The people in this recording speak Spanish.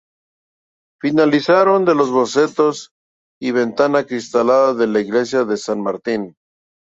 Finalización de los bocetos y ventana acristalada de la Iglesia de San Martín.